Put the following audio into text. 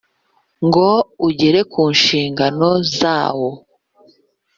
ngo ugere ku nshingano zawo